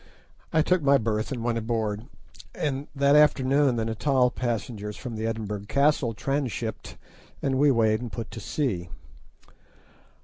I took my berth and went aboard, and that afternoon the Natal passengers from the Edinburgh Castle transhipped, and we weighed and put to sea.